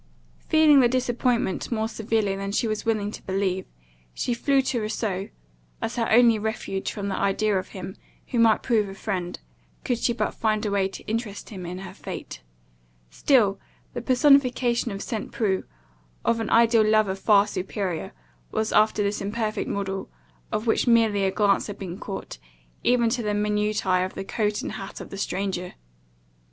Feeling the disappointment more severely than she was willing to believe, she flew to Rousseau, as her only refuge from the idea of him, who might prove a friend, could she but find a way to interest him in her fate; still the personification of Saint Preux, or of an ideal lover far superior, was after this imperfect model, of which merely a glance had been caught, even to the minutiae of the coat and hat of the stranger.